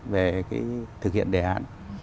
về cái thực hiện đề hạn